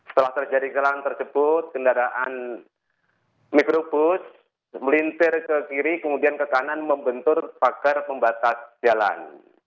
setelah terjadi kelang tersebut kendaraan mikrobus melintir ke kiri kemudian ke kanan membentur pagar pembatas jalan